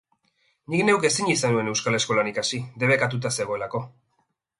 Nik neuk ezin izan nuen euskal eskolan ikasi, debekatuta zegoelako.